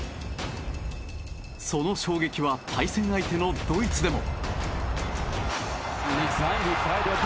その衝撃は対戦相手のドイツでも。